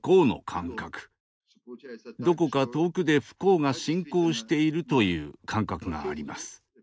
どこか遠くで不幸が進行しているという感覚があります。